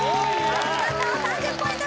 お見事３０ポイント